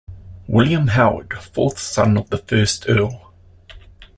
William Howard, fourth son of the first Earl.